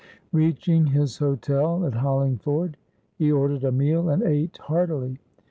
Reaching his hotel at Hollingford, he ordered a meal and ate heartily.